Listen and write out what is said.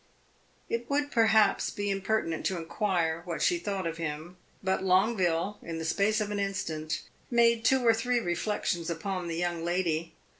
It would perhaps be impertinent to inquire what she thought of him; but Longueville, in the space of an instant, made two or three reflections upon the young lady.